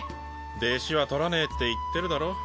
弟子は取らねぇって言ってるだろ。